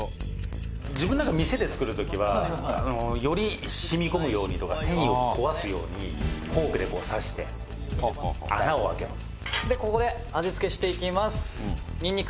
「自分なんかは店で作る時はより染み込むようにとか繊維を壊すようにフォークで刺して穴を開けます」